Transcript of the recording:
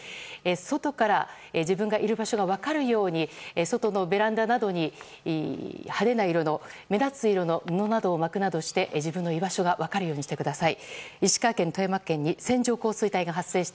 外から自分がいる場所が分かるように外のベランダなどに派手な色の、目立つ色の布などを巻くなどして、自分の居場所が分かるようにしてください。